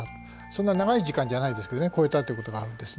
そんな長い時間じゃないですけど超えたということがあるんですね。